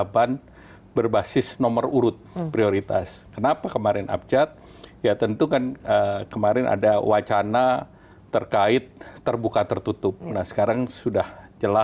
golkar ini kapal